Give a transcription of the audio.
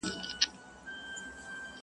خدای دي درکړۍ عوضونه مومنانو!!